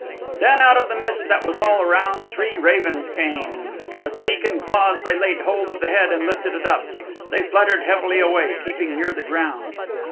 Then out of the mist that was all around three ravens came. With beak and claws they laid hold of the head and lifted it up. They fluttered heavily away, keeping near the ground.